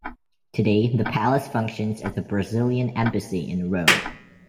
Today, the palace functions as the Brazilian Embassy in Rome.